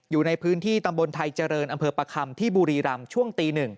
อยู่ในพื้นที่ตำบลไทยเจริญอำเภอประคำที่บุรีรำช่วงตี๑